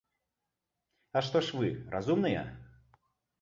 А што ж вы, разумныя?